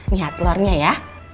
lihat telurnya ya